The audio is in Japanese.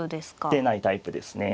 出ないタイプですね。